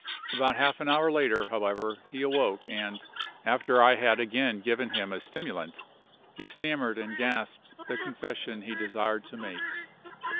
About half an hour later, however, he awoke and, after I had again given him a stimulant, he stammered and gasped the confession he desired to make.